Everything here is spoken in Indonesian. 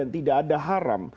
tidak ada haram